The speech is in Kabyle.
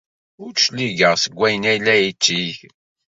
Ur d-cligeɣ seg wayen ay la yetteg.